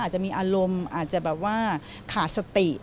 หรือว่าขาดสติ